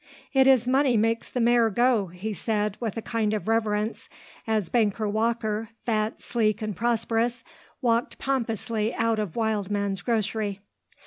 "It is money makes the mare go," he said with a kind of reverence as banker Walker, fat, sleek, and prosperous, walked pompously out of Wildman's grocery.